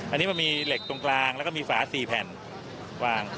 อันนี้มันมีเหล็กตรงกลางแล้วก็มีฝา๔แผ่นวาง